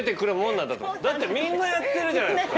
だってみんなやってるじゃないですか。